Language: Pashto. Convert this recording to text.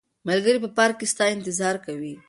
ملګري په پارک کې ستا انتظار کوي.